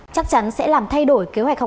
chắc chắn sẽ làm thay đổi kế hoạch đại học